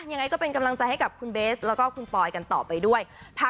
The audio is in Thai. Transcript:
ยังไงก็เป็นกำลังใจให้กับคุณเบสแล้วก็คุณปอยกันต่อไปด้วย